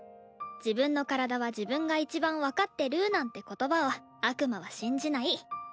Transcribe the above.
自分の体は自分がいちばん分かってるなんて言葉を悪魔は信じない。